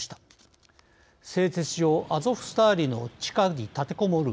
製鉄所アゾフスターリの地下に立てこもる